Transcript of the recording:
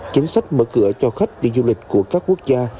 chính sách mở cửa cho khách đi du lịch của các quốc gia